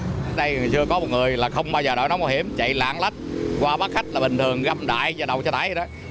trước đây chưa có một người là không bao giờ đổi nóng bảo hiểm chạy lãng lách qua bắt khách là bình thường găm đại và đậu cho tái vậy đó